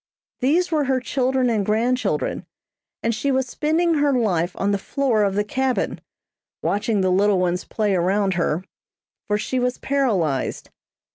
These were her children and grandchildren, and she was spending her life on the floor of the cabin, watching the little ones play around her, for she was paralyzed.